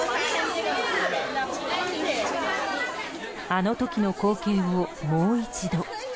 あの時の光景をもう一度。